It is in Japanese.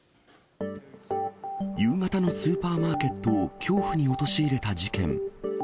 夕方のスーパーマーケットを恐怖に陥れた事件。